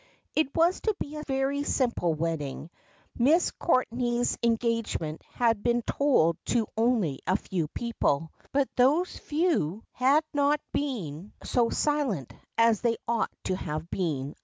It was to be a very simple wedding. Miss Courtenay's en gagement had been told to only a few people, but those few had not been so silent as they ought to have been aboi..